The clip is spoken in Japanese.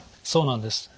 そうなんです。